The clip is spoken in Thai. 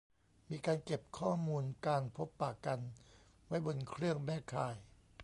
มีการเก็บข้อมูลการพบปะกันไว้บนเครื่องแม่ข่าย